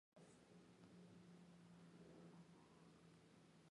劳动部劳动力发展署中彰投分署与台中世贸中心亦设立于此。